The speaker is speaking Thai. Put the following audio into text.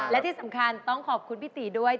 และที่สำคัญต้องขอบคุณพี่ตีด้วย